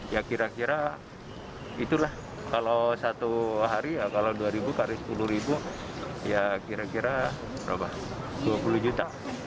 ya kira kira itulah kalau satu hari kalau dua x sepuluh ya kira kira dua puluh juta